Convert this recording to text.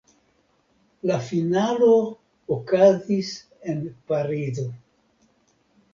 La finalo okazis en Parizo.